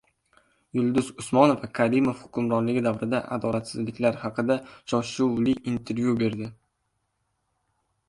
Yulduz Usmonova Karimov hukmronligi davridagi adolatsizliklar haqida shov-shuvli intervyu berdi